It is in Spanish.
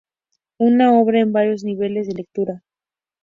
Una obra en varios niveles de lectura.